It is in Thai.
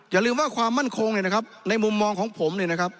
อย่าลืมว่าความมั่นคงในมุมมองของผม